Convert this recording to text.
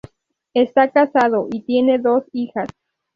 Está casado y tiene dos hijas